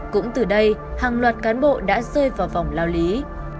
cũng từ đây hàng loạt cán bộ đã rơi vào vòng lao lý